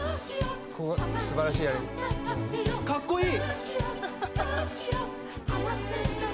かっこいい！